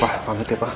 pak pamit ya pak